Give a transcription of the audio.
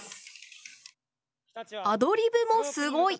アドリブもすごい！